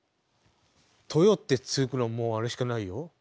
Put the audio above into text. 「とよ」って付くのもうあれしかないよ。